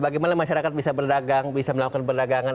bagaimana masyarakat bisa berdagang bisa melakukan perdagangan